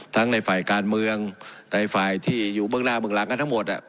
ในฝ่ายการเมืองในฝ่ายที่อยู่เบื้องหน้าเบื้องหลังกันทั้งหมด